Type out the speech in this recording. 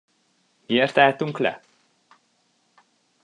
Miért álltunk le?